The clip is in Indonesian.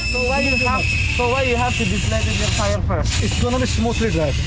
jadi kenapa anda harus menyebutkan gulungan anda dulu